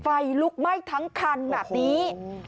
ไฟลุกไหม้ทั้งคันแบบนี้